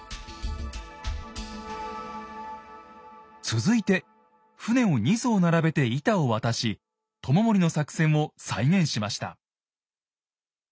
続いて船を２艘並べて板を渡し知盛の作戦を再現しました。